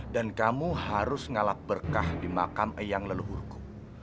dan kamu harus ngalap berkah di makam eyang leluhurku